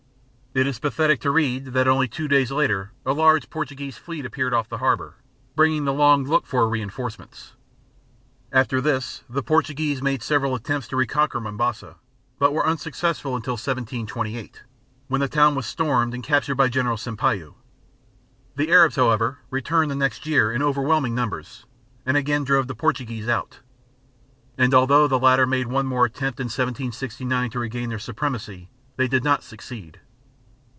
It is pathetic to read that only two days later a large Portuguese fleet appeared off the harbour, bringing the long looked for reinforcements. After this the Portuguese made several attempts to reconquer Mombasa, but were unsuccessful until 1728, when the town was stormed and captured by General Sampayo. The Arabs, however, returned the next year in overwhelming numbers, and again drove the Portuguese out; and although the latter made one more attempt in 1769 to regain their supremacy, they did not succeed.